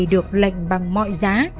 được lệnh bằng mọi giá